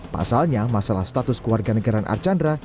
pasalnya masalah status keluarga negaraan archandra